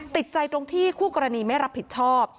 ติดใจตรงที่คู่กรณีไม่รับผิดชอบ